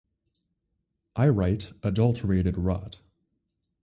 I write "adulterated" rot.